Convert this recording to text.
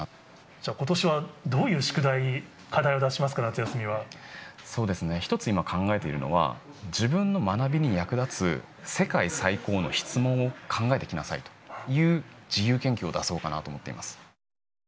じゃあことしはどういう宿題、そうですね、一つ今考えているのは、自分の学びに役立つ世界最高の質問を考えてきなさいという自由研究を出そうかなと思っています。